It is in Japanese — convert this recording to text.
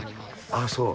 あっ、そう。